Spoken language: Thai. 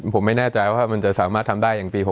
ผมไม่แน่ใจว่ามันจะสามารถทำได้อย่างปี๖๐